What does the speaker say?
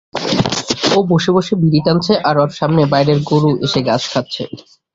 ও বসে বসে বিড়ি টানছে, আর ওর সামনে বাইরের গোরু এসে গাছ খাচ্ছে।